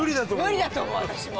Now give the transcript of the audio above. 無理だと思う私も。